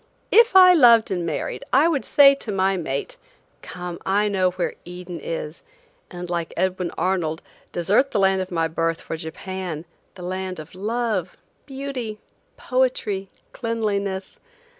If I loved and married, I would say to my mate: "Come, I know where Eden is," and like Edwin Arnold, desert the land of my birth for Japan, the land of love–beauty–poetry–cleanliness.